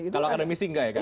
kalau akademisi enggak ya kan